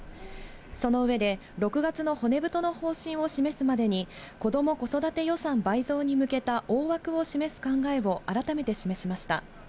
その上で、６月の骨太の方針を示すまでに、子ども・子育て予算倍増に向けた大枠を示す考えを改めて示しました。